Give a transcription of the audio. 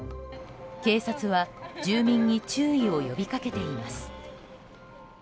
警察は住民に注意を呼びかけています。